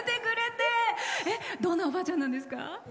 どんなおばあちゃんなんですか？